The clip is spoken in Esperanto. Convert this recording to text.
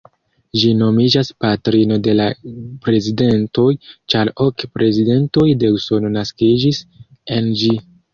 Ĝi nomiĝas "patrino de la prezidentoj", ĉar ok prezidentoj de Usono naskiĝis en ĝi.